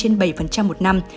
trên bảy một năm